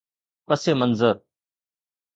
پس منظر